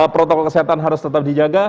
protokol kesehatan harus tetap dijaga